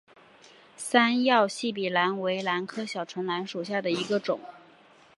三药细笔兰为兰科小唇兰属下的一个种。